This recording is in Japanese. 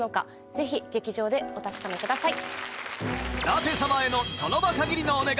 ぜひ劇場でお確かめください。